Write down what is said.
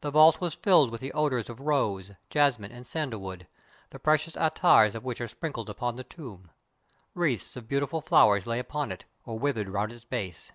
The vault was filled with the odors of rose, jasmine, and sandalwood, the precious attars of which are sprinkled upon the tomb. Wreaths of beautiful flowers lay upon it, or withered around its base.